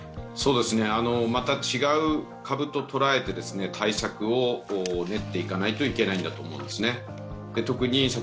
また違う株と捉えて対策を練っていかないといけないんだと思うんですね。